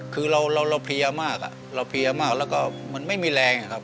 คือเราเราเราพยายามมากอ่ะเราพยายามมากแล้วก็มันไม่มีแรงอ่ะครับ